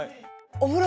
お風呂？